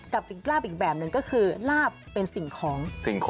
กับอีกลาบอีกแบบหนึ่งก็คือลาบเป็นสิ่งของ